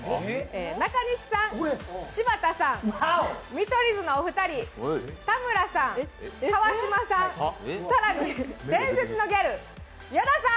中西さん、柴田さん見取り図のお二人、田村さん、川島さん、更に伝説のギャル・矢田さん！